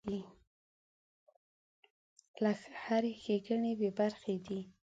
له هرې ښېګڼې بې برخې دی.